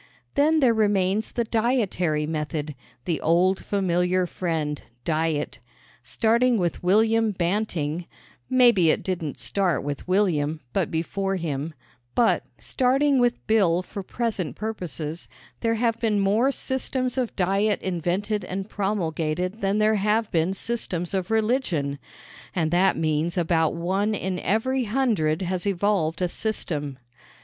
Then there remains the dietary method the old familiar friend, diet. Starting with William Banting maybe it didn't start with William, but before him but, starting with Bill for present purposes, there have been more systems of diet invented and promulgated than there have been systems of religion and that means about one in every hundred has evolved a system.